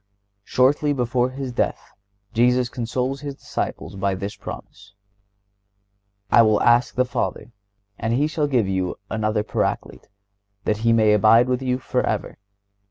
Shortly before His death Jesus consoles His disciples by this promise: "I will ask the Father, and He shall give you another Paraclete, that He may abide with you forever....